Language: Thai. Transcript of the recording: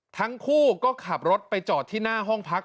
ทั้งคู่ก็ขับรถไปจอดที่หน้าห้องพัก